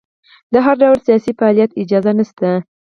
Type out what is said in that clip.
د هر ډول سیاسي فعالیت اجازه نشته.